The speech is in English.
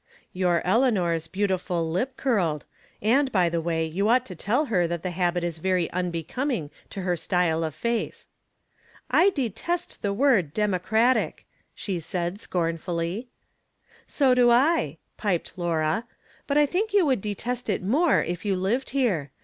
Your Eleanor's beautiful lip curled (and, by the way, you ought to tell her that the habit is very unbecoming to her style of face). " I detest the word ' democratic !'" she said, scornfully. " So do I," piped Laura. " But I think you would detest it more if you lived here.